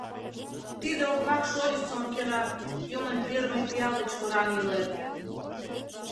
Тиде окмак шольычлан кӧра юмын пӱрымӧ пиал деч кораҥ илет.